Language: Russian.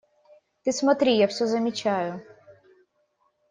– Ты смотри! Я все замечаю.